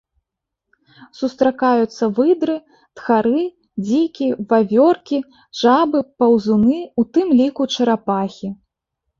Сустракаюцца выдры, тхары, дзікі, вавёркі, жабы, паўзуны, у тым ліку чарапахі.